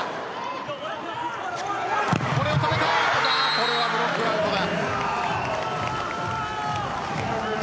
これはブロックアウトだ。